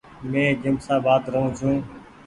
مين جيمشآبآد رهون ڇون۔